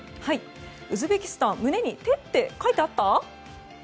ウズベキスタン、胸に「て」って書いてあった？